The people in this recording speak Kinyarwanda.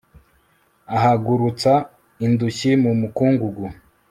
ahagurutsa indushyi mu mukungugu